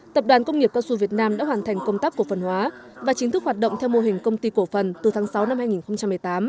tập đoàn công nghiệp cao su việt nam đã hoàn thành công tác cổ phần hóa và chính thức hoạt động theo mô hình công ty cổ phần từ tháng sáu năm hai nghìn một mươi tám